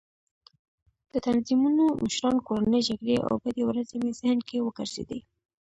د تنظیمونو مشران، کورنۍ جګړې او بدې ورځې مې ذهن کې وګرځېدې.